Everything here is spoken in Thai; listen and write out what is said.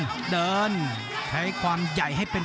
ภูตวรรณสิทธิ์บุญมีน้ำเงิน